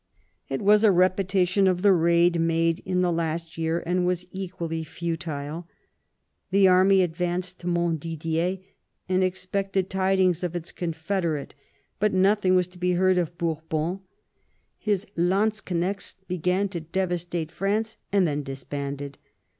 It was a repetition of the raid made in the last year, and was equally futile. The army advanced to Montdidier, and expected tidings of its confederate; but nothing was to be heard of Bourbon; his lanzknechts began to devastate France and then disbanded.